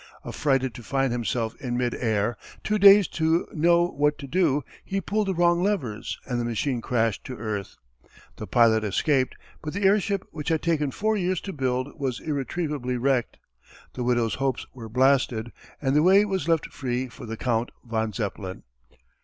Affrighted to find himself in mid air, too dazed to know what to do, he pulled the wrong levers and the machine crashed to earth. The pilot escaped, but the airship which had taken four years to build was irretrievably wrecked. The widow's hopes were blasted, and the way was left free for the Count von Zeppelin.